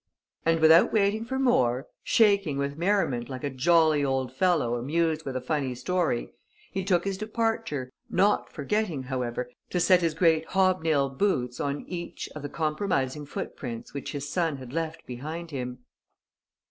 And, without waiting for more, shaking with merriment like a jolly old fellow amused by a funny story, he took his departure, not forgetting, however, to set his great hob nail boots on each of the compromising footprints which his son had left behind him.